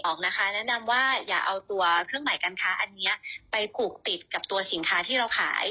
แนะนำว่าอย่าเอาตัวเครื่องหมายการค้าอันนี้ไปผูกติดกับตัวสินค้าที่เราขาย